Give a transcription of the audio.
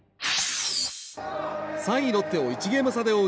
３位、ロッテを１ゲーム差で追う